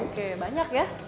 oke banyak ya